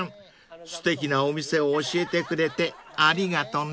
［すてきなお店を教えてくれてありがとね］